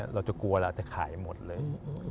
เราจะกลัวเราจะขายหมดเลย